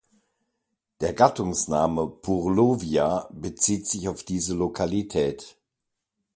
Der Gattungsname "Purlovia" bezieht sich auf diese Lokalität.